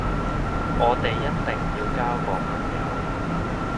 我哋一定要交個朋友